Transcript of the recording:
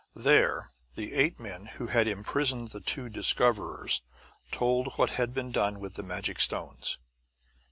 There, the eight men who had imprisoned the two discoverers told what had been done with the "magic stones."